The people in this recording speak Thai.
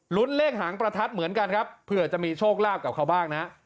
หลุ่นเร่งห่างประทัดเหมือนกันครับเพื่อจะมีโชคลาภดังกับเขาบ้าง